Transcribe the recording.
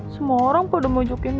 semua orang pada mojokin gue